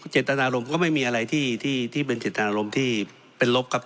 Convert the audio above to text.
เจตนารมณ์ก็ไม่มีอะไรที่เป็นเจตนารมณ์ที่เป็นลบครับ